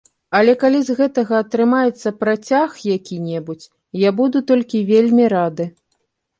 Але калі з гэтага атрымаецца працяг які-небудзь, я буду толькі вельмі рады.